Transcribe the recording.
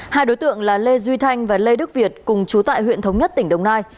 hai đối tượng là lê duy thanh và lê đức việt cùng chú tại huyện thống nhất tỉnh đồng nai